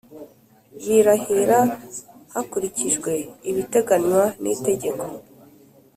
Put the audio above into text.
barahira hakurikijwe ibiteganywa n ‘Itegeko.